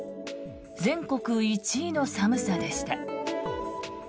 全国１位の寒さでした。